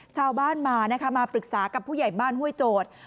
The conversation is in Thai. ชาวบ้านมานะคะมาปรึกษากับผู้ใหญ่บ้านห้วยโจทย์